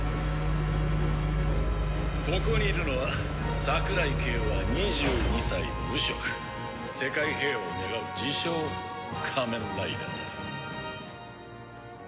「ここにいるのは桜井景和２２歳無職」「世界平和を願う自称仮面ライダーだ」